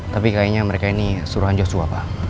tapi kayaknya mereka ini suruhan joshua pak